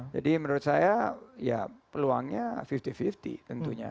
jadi menurut saya ya peluangnya lima puluh lima puluh tentunya